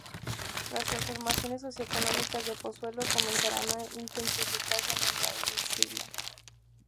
Las transformaciones socioeconómicas de Pozuelo comenzarán a intensificarse a mediados de siglo.